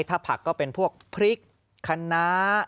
ถ้าผักก็เป็นพวกพริกคณะ